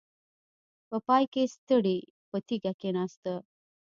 په پای کې ستړې په تيږه کېناسته.